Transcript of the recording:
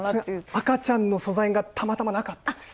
赤ちゃんの素材がたまたまなかった。